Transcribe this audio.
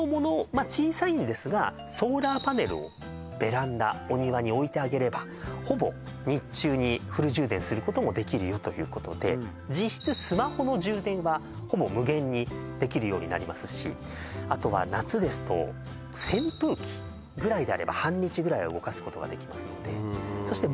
まあ小さいんですがソーラーパネルをベランダお庭に置いてあげればほぼ日中にフル充電することもできるよということで実質スマホの充電はほぼ無限にできるようになりますしあとは夏ですと扇風機ぐらいであれば半日ぐらいは動かすことができますのでそして